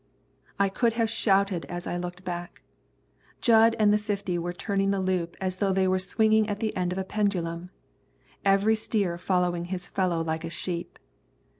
I could have shouted as I looked back. Jud and the fifty were turning the loop as though they were swinging at the end of a pendulum, every steer following his fellow like a sheep.